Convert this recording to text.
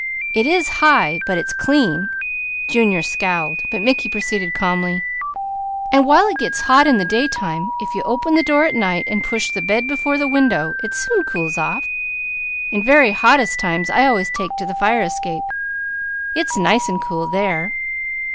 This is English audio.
It is high, but it's clean" Junior scowled but Mickey proceeded calmly "and while it gets hot in the daytime, if you open the door at night, and push the bed before the window, it soon cools off, while very hottest times I always take to the fire escape. It's nice and cool there."